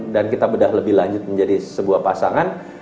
dan kita bedah lebih lanjut menjadi sebuah pasangan